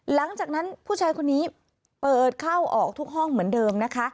หลังจากนั้นผู้ชายคนนี้เปิดเข้าออกทุกห้องเหมือนเดิมนะคะ